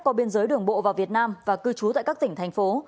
qua biên giới đường bộ vào việt nam và cư trú tại các tỉnh thành phố